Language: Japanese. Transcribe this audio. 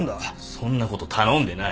そんなこと頼んでない。